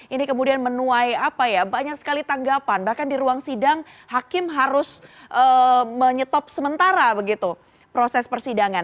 ini kemudian menuai banyak sekali tanggapan bahkan di ruang sidang hakim harus menyetop sementara begitu proses persidangan